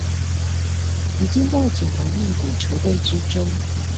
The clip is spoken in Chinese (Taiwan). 已經在緊鑼密鼓籌備之中